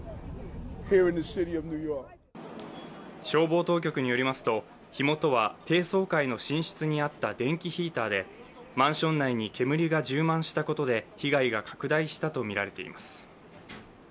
消防当局によりますと火元は低層階の寝室にあった電気ヒーターで、マンション内に煙が充満したことで被害が拡大したとみられています。